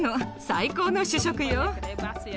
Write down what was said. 最高の主食よ。